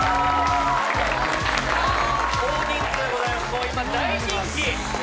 もう今大人気。